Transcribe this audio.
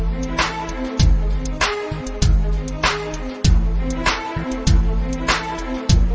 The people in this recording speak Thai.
สิ่งที่ที่ทหารอยู่